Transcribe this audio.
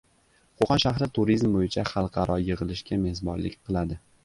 Qo‘qon shahri turizm bo‘yicha xalqaro yig‘ilishga mezbonlik qiladi